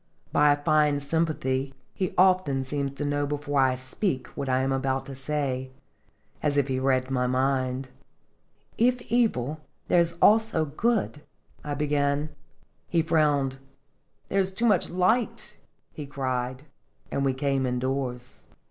By a fine sympathy he often seems to know before I speak what I am about to say, as if he read my mind. "If evil, there is also good " I began. He frowned. "There is too much light!" he cried, and we came indoors.